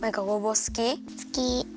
すき。